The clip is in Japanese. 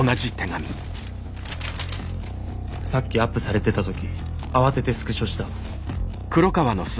さっきアップされてた時慌ててスクショした。